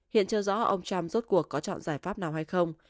hiện chưa rõ ông trump rốt cuộc có chọn giải pháp nào hay không